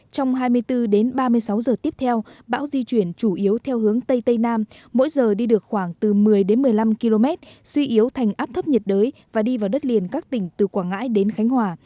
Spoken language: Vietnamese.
trong hai mươi bốn đến ba mươi sáu giờ tiếp theo bão di chuyển chủ yếu theo hướng tây tây nam mỗi giờ đi được khoảng từ một mươi một mươi năm km suy yếu thành áp thấp nhiệt đới và đi vào đất liền các tỉnh từ quảng ngãi đến khánh hòa